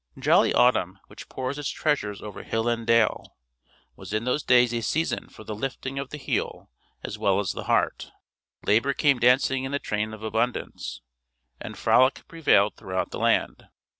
Jolly autumn, which pours its treasures over hill and dale, was in those days a season for the lifting of the heel as well as the heart; labor came dancing in the train of abundance, and frolic prevailed throughout the land.